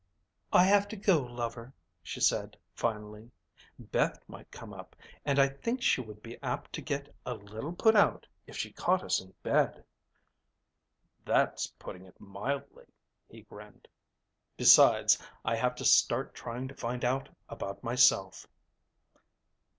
"I have to go, lover," she said finally. "Beth might come up, and I think she would be apt to get a little put out if she caught us in bed." "That's putting it mildly," he grinned. "Besides, I have to start trying to find out about myself."